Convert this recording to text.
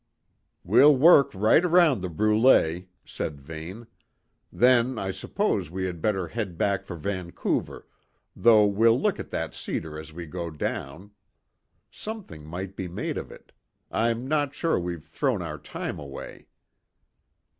"We'll work right round the brûlée," said Vane. "Then I suppose we had better head back for Vancouver, though we'll look at that cedar as we go down. Something might be made of it; I'm not sure we've thrown our time away."